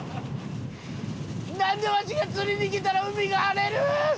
なんでわしが釣りに来たら海が荒れる！？